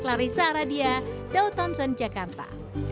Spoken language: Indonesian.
clarissa aradia daud thompson jakarta